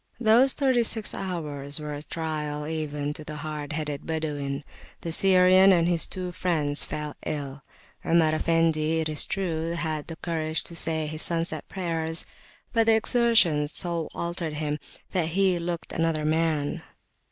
Those thirty six hours were a trial even to the hard headed Badawin. The Syrian and his two friends fell ill. Omar Effendi, it is true, had the courage to say his [p.210] sunset prayers, but the exertion so altered him that he looked another man.